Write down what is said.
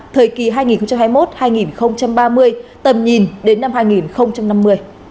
thời kỳ hai nghìn hai mươi một hai nghìn ba mươi tầm nhìn đến năm hai nghìn năm mươi